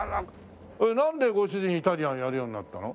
なんでご主人イタリアンやるようになったの？